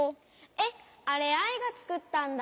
えっあれアイがつくったんだ！